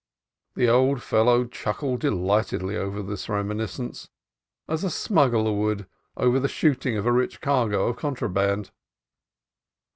The old fellow chuckled delightedly over this reminiscence, as a smuggler would over the "shooting" of a rich cargo of contraband.